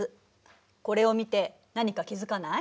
これを見て何か気付かない？